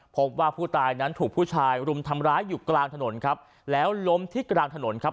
พบว่าผู้ตายนั้นถูกผู้ชายรุมทำร้ายอยู่กลางถนนครับแล้วล้มที่กลางถนนครับ